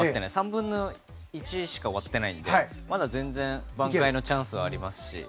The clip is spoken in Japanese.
３分の１しか終わっていないのでまだ全然挽回のチャンスはあります。